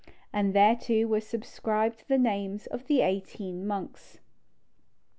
And thereto were subscribed the names of the eighteen monks.